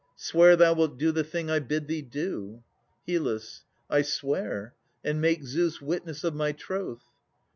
Swear thou wilt do the thing I bid thee do. HYL. I swear, and make Zeus witness of my troth.